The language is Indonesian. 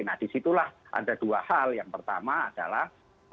nah di situlah ada dua hal yang pertama adalah